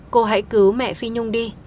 cô hãy cứu mẹ phi nhung đi